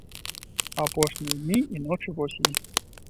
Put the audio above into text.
Апошнія дні і ночы восені!